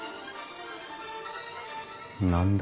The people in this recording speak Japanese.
何だ？